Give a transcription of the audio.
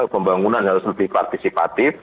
pembangunan harus lebih partisipatif